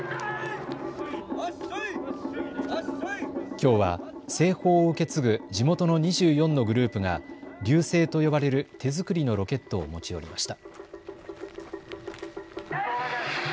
きょうは製法を受け継ぐ地元の２４のグループが龍勢と呼ばれる手作りのロケットを持ち寄りました。